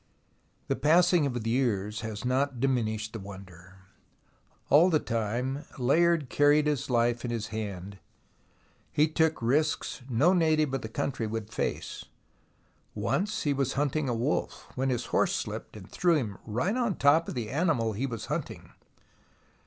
The passing of the years has not diminished the wonder. All the time Layard carried his life in his hand. He took risks no native of the country would face. Once he was hunting a wolf, when his horse slipped and threw him right on top of the animal he was hunting.